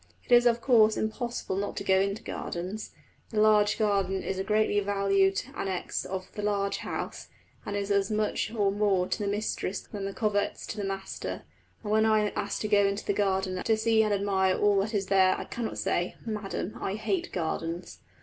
It is of course impossible not to go into gardens. The large garden is the greatly valued annexe of the large house, and is as much or more to the mistress than the coverts to the master; and when I am asked to go into the garden to see and admire all that is there, I cannot say, "Madam, I hate gardens."